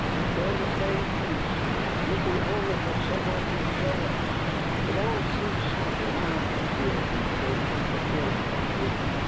We're in the same case. If we only had some one to show us! It all seems so BLIND, here in Canaan, for him and me!